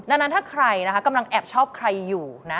ดังนั้นถ้าใครนะคะกำลังแอบชอบใครอยู่นะ